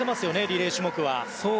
リレー種目は。